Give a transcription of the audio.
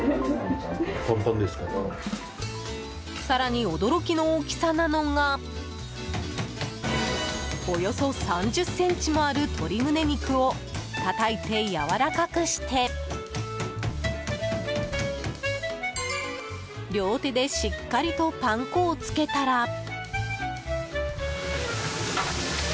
更に、驚きの大きさなのがおよそ３０ｃｍもある鶏胸肉をたたいて、やわらかくして両手でしっかりとパン粉をつけたら。